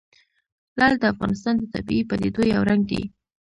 لعل د افغانستان د طبیعي پدیدو یو رنګ دی.